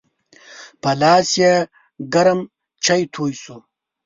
په لاس یې ګرم چای توی شو.